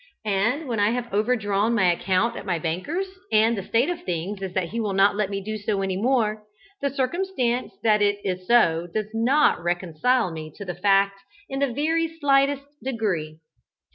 And when I have overdrawn my account at my banker's, and the state of things is that he will not let me do so any more, the circumstance that it is so does not reconcile me to the fact in the very slightest degree.